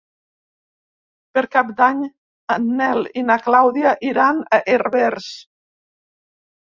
Per Cap d'Any en Nel i na Clàudia iran a Herbers.